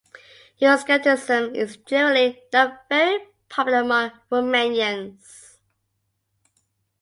Euroscepticism is generally not very popular among Romanians.